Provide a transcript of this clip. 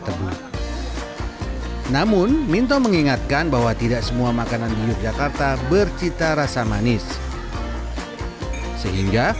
tebu namun minto mengingatkan bahwa tidak semua makanan di yogyakarta bercita rasa manis sehingga